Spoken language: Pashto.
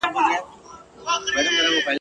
حاجي لالي به معلومات ورکول.